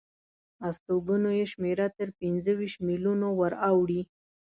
استوګنو یې شمېره تر پنځه ویشت میلیونو وراوړي.